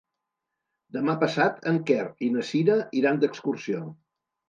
Demà passat en Quer i na Cira iran d'excursió.